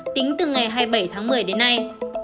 tính từ ngày hai mươi bảy tháng một mươi đến nay